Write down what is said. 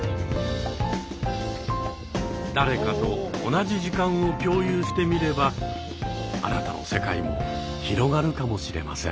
誰かと同じ時間を共有してみればあなたの世界も広がるかもしれません。